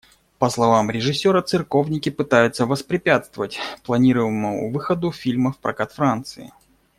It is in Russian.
По словам режиссера, церковники пытаются воспрепятствовать планируемому выходу фильма в прокат Франции.